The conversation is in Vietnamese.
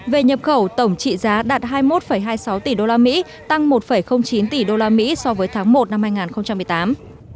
về nhập khẩu tổng trị giá đạt hai mươi một hai mươi sáu tỷ đô la mỹ tăng một chín tỷ đô la mỹ so với tháng một năm hai nghìn một mươi tám